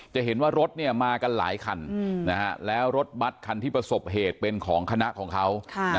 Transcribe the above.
จะเห็นว่ารถมากันหลายคันแล้วรถบัตรคันที่ประสบเหตุเป็นของคณะของเขา